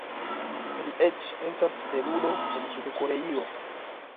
Li eĉ estas stelulo en Sud-Koreio.